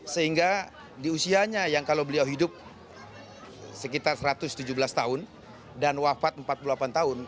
sehingga di usianya yang kalau beliau hidup sekitar satu ratus tujuh belas tahun dan wafat empat puluh delapan tahun